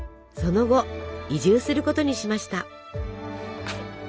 その後移住することにしました。